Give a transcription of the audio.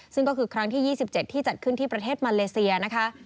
ซึ่งก็คือครั้งที่๒๗ที่จัดขึ้นที่ประเทศมาเลเซียนะคะ